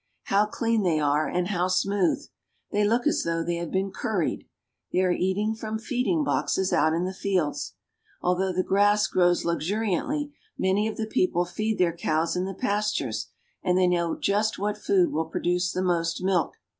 How clean they are and how smooth ! They look as though they had been curried. They are eating from feeding boxes out in the fields. Although the grass grows luxuriantly, many of the people feed their cows in the pastures, and they know just what food will produce the most milk.